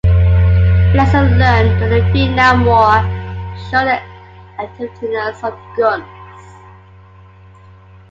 Lessons learned during the Vietnam War showed the effectiveness of guns.